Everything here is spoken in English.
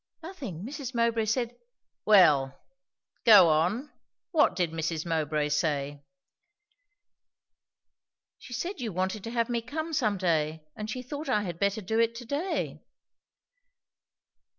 "Nothing. Mrs. Mowbray said " "Well, go on. What did Mrs. Mowbray say?" "She said you wanted to have me come, some day, and she thought I had better do it to day."